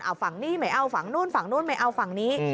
เอาฝั่งนี้ไม่เอาฝั่งนู้นฝั่งนู้นไม่เอาฝั่งนี้